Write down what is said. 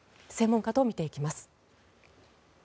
専門家と見ていきます。